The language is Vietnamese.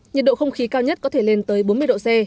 nhiệt độ không khí cao nhất có thể lên tới bốn mươi độ c